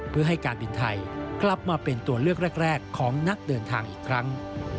เพื่อให้การบินไทยกลับมาเป็นตัวเลือกแรกของนักเดินทางอีกครั้ง